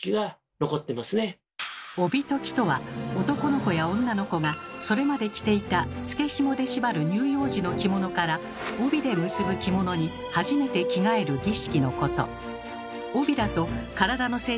「帯解き」とは男の子や女の子がそれまで着ていたつけひもで縛る乳幼児の着物から帯で結ぶ着物に初めて着替える儀式のこと。